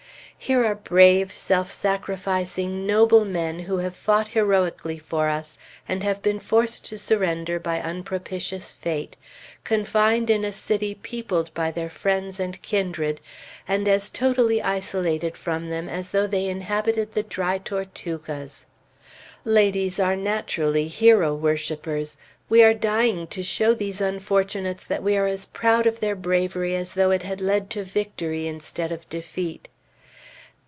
Here are brave, self sacrificing, noble men who have fought heroically for us, and have been forced to surrender by unpropitious fate, confined in a city peopled by their friends and kindred, and as totally isolated from them as though they inhabited the Dry Tortugas! Ladies are naturally hero worshipers. We are dying to show these unfortunates that we are as proud of their bravery as though it had led to victory instead of defeat.